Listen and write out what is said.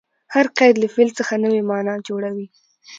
هر قید له فعل څخه نوې مانا جوړوي.